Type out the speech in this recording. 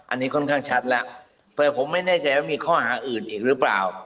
อันนี้ค่อนข้างชัดแล้วแต่ผมไม่แน่ใจว่ามีข้อหาอื่นอีกหรือเปล่า